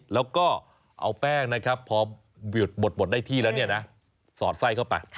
แล้วก็เอาแป้งนะครับพอบดได้ที่แล้วเนี่ยนะสอดไส้เข้าไป